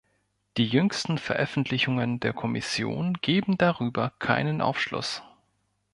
Die jüngsten Veröffentlichungen der Kommission geben darüber keinen Aufschluss.